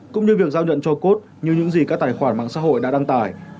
cũng như việc giao nhận cho cốt như những gì các tài khoản mạng xã hội đã đăng tải